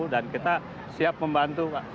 dan kita siap membantu